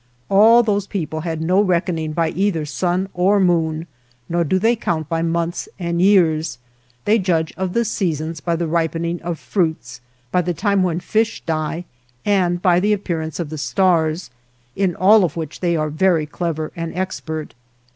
All those people had no reckoning by either sun or moon, nor do they count by months and years ; they judge of the seasons by the ripening of fruits, by the time when fish die and by the appear ance of the stars, in all of which they are very clever and expert.